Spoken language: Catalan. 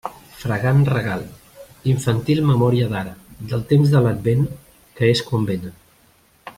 Fragant regal, infantil memòria d'ara, del temps de l'Advent, que és quan vénen.